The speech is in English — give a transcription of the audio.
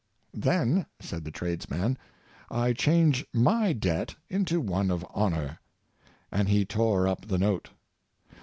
"Then," said the tradesman, " I change my debt into one of hon or;" and he tore up the note.